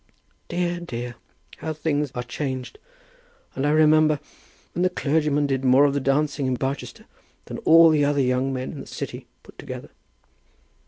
"Dear, dear! How things are changed! And I remember when the clergymen did more of the dancing in Barchester than all the other young men in the city put together."